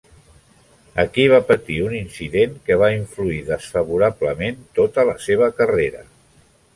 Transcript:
Aquí va patir un incident que va influir desfavorablement tota la seva carrera.